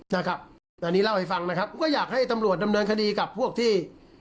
นะครับตอนนี้เล่าให้ฟังนะครับก็อยากให้ตำรวจดำเนินคดีกับพวกที่